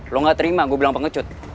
lo gak terima gue bilang pengecut